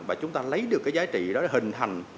và chúng ta lấy được cái giá trị đó để hình thành